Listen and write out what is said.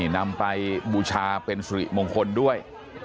นำไปบูชาเป็นสุริมงคลด้วย